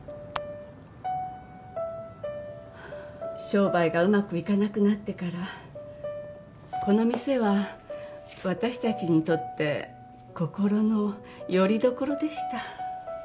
商売がうまくいかなくなってからこの店は私たちにとって心のよりどころでした。